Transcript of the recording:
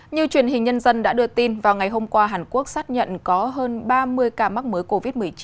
như truyền hình nhân dân đã đưa tin vào ngày hôm qua hàn quốc xác nhận có hơn ba mươi ca mắc mới covid một mươi chín